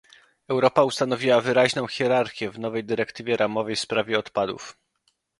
Europa ustanowiła wyraźną hierarchię w nowej dyrektywie ramowej w sprawie odpadów